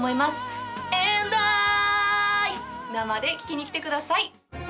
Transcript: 「ＡｎｄＩ」生で聴きに来てください。